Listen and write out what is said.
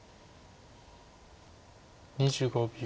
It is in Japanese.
２５秒。